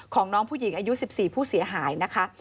ของน้องผู้หญิงอายุ๑๔ผู้เสียหายนะคะ